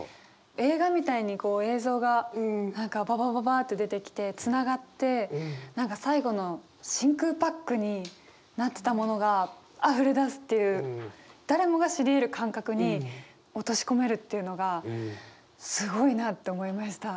映画みたいに映像がばばばばっと出てきてつながって何か最後の真空パックになってたものが溢れ出すっていう誰もが知り得る感覚に落とし込めるというのがすごいなって思いました。